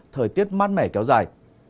thời tiết mát mẻ kéo dài